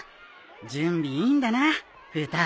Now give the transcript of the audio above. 準備いいんだな冬田。